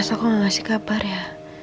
mas aku gak ngasih kabar ya